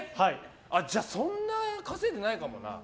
じゃあそんなに稼いでないかもな。